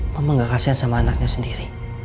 mama gak kasihan sama anaknya sendiri